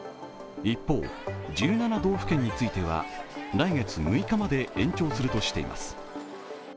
一方、１７道府県については来月６日まで延長するとしています